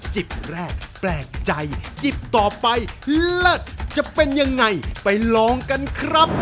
แรกแปลกใจจิบต่อไปเลิศจะเป็นยังไงไปลองกันครับ